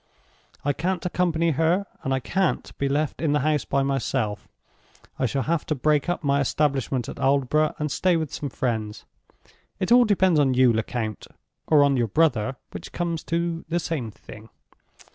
I can't accompany her, and I can't be left in the house by myself. I shall have to break up my establishment at Aldborough, and stay with some friends. It all depends on you, Lecount—or on your brother, which comes to the same thing.